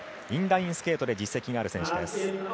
インラインスケートで実績のある選手。